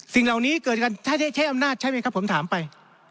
สิ่งเหล่านี้เกิดกันถ้าได้ใช้อำนาจใช่ไหมครับผมถามไป